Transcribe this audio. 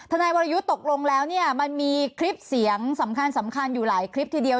นายวรยุทธ์ตกลงแล้วเนี่ยมันมีคลิปเสียงสำคัญอยู่หลายคลิปทีเดียว